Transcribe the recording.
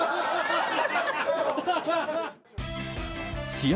試合